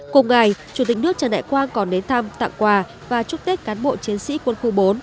cùng ngày chủ tịch nước trần đại quang còn đến thăm tặng quà và chúc tết cán bộ chiến sĩ quân khu bốn